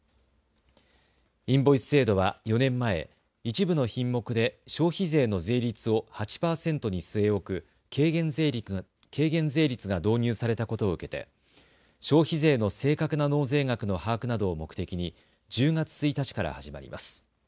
インボイス制度は４年前、一部の品目で消費税の税率を８％に据え置く軽減税率が導入されたことを受けて消費税の正確な納税額の把握などを目的に１０月１日から始まります。